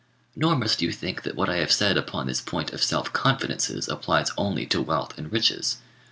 Nor must you think that what I have said upon this point of self confidences applies only to wealth and riches.